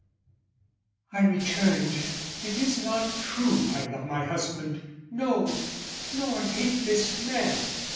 I returned, "It is not true I love my husband, no, "Nor hate this man.